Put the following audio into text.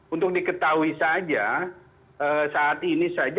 untuk diketahui saja saat ini saja